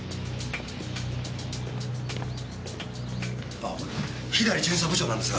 あ左巡査部長なんですが。